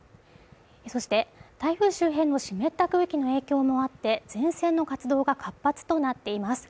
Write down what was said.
そして、台風周辺の湿った空気の影響もあって前線の活動が活発となっています。